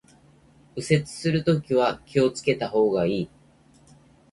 右折するときは気を付けた方がいい